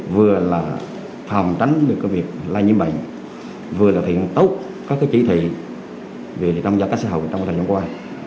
vừa là thực hiện tốt các chỉ thị về trang giao cách xã hội trong thời gian qua